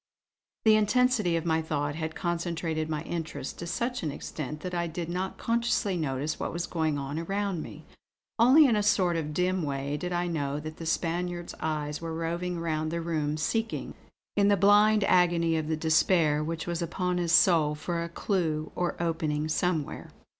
The intensity of my thought had concentrated my interests to such an extent that I did not consciously notice what was going on around me. Only in a sort of dim way did I know that the Spaniard's eyes were roving round the room; seeking, in the blind agony of the despair which was upon his soul for a clue or opening somewhere.